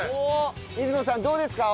出雲さんどうですか？